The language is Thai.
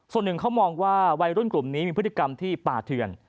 ส่วนหนึ่งเขามองว่าวัยรุ่นกลุ่มนี้มีพฤติกรรมที่ป่าเถื่อน